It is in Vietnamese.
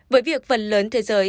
với việc phần lớn thế giới